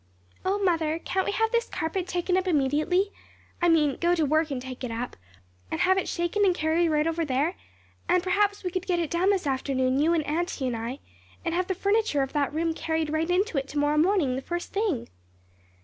"O mother, can't we have this carpet taken up immediately I mean go to work and take it up and have it shaken and carried right over there? and perhaps we could get it down this afternoon, you and auntie and I; and have the furniture of that room carried right into it to morrow morning, the first thing."